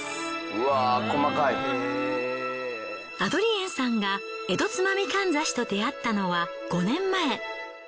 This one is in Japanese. アドリエンさんが江戸つまみかんざしと出会ったのは５年前。